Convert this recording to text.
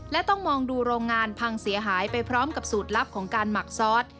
และต้องมองดูโรงงานพังเสียหายไปพร้อมกับสูตรลับของการหมักซอส